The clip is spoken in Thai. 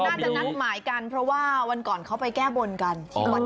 น่าจะนัดหมายกันเพราะว่าวันก่อนเขาไปแก้บนกันที่วัด